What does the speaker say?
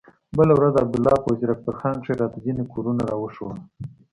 بله ورځ عبدالله په وزير اکبر خان کښې راته ځينې کورونه راوښوول.